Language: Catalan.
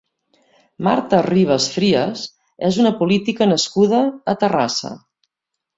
Marta Ribas Frías és una política nascuda a Terrassa.